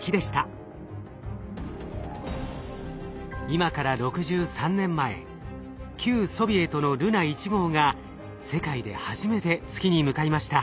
今から６３年前旧ソビエトのルナ１号が世界で初めて月に向かいました。